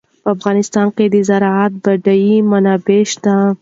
په افغانستان کې د زراعت بډایه منابع شته.